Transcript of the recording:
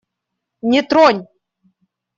Не тронь!